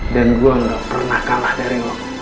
dan gue gak pernah kalah dari lo